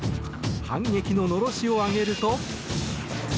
反撃ののろしを上げると。